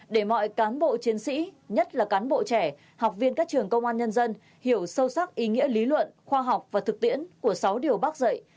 để mọi cán bộ chiến sĩ nhất là cán bộ trẻ học viên các trường công an nhân dân hiểu sâu sắc ý nghĩa lý luận khoa học và thực tiễn của sáu điều bác dạy